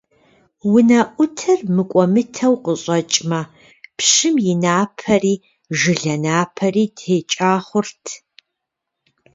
УнэӀутыр мыкӀуэмытэу къыщӀэкӀмэ, пщым и напэри, жылэ напэри текӀа хъурт.